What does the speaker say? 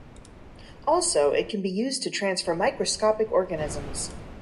Also it can be used to transfer microscopic organisms.